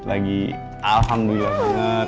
lagi alhamdulillah banget